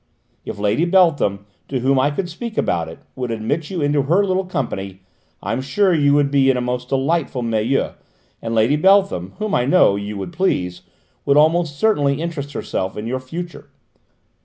If Lady Beltham, to whom I could speak about it, would admit you into her little company, I am sure you would be in a most delightful milieu, and Lady Beltham, whom, I know, you would please, would almost certainly interest herself in your future.